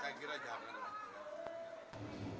saya kira jangan